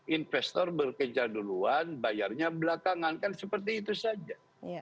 investor berkejar duluan bayarnya belakangan kan seperti itu saja